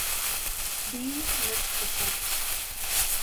B missed the point.